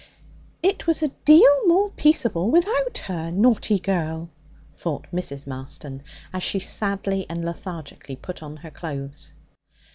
'It was a deal more peaceable without her, naughty girl!' thought Mrs. Marston as she sadly and lethargically put on her clothes.